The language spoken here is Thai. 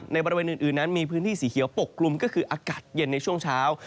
บริเวณอื่นนั้นมีพื้นที่สีเขียวปกกลุ่มก็คืออากาศเย็นในช่วงเช้า